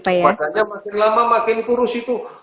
makanya makin lama makin kurus itu